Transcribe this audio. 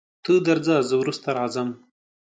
ته درځه زه وروسته راځم.